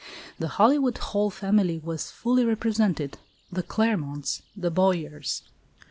The Hollywood Hall family was fully represented, the Claremonts, the Bowyers.